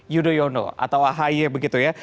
yudhoyono atau ahy begitu ya